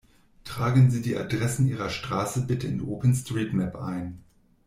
Tragen Sie die Adressen Ihrer Straße bitte in OpenStreetMap ein!